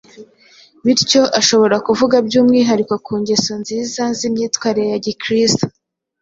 bityo ashobora kuvuga by’umwihariko ku ngeso nziza z’imyitwarire ya Gikristo